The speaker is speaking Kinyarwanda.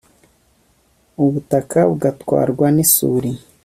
ubutaka bugatwarwa n'isuri